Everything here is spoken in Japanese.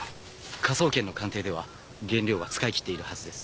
科捜研の鑑定では原料は使い切っているはずです。